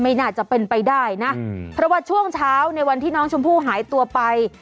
ไม่น่าจะเป็นไปได้นะเพราะว่าช่วงเช้าในวันที่น้องชมพู่หายตัวไป